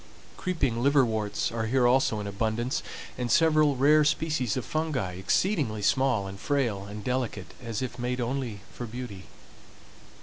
Creeping liverworts are here also in abundance, and several rare species of fungi, exceedingly small, and frail, and delicate, as if made only for beauty.